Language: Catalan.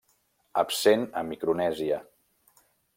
Absent a Micronèsia.